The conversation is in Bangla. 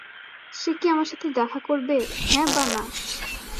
সে কি আমার সাথে দেখা করবে, হ্যাঁ বা না?